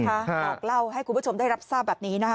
บอกเล่าให้คุณผู้ชมได้รับทราบแบบนี้นะคะ